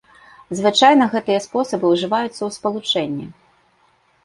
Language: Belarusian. Звычайна гэтыя спосабы ўжываюцца ў спалучэнні.